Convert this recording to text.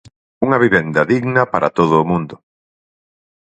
"Unha vivenda digna para todo o mundo".